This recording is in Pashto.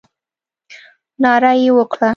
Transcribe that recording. ناره یې وکړه.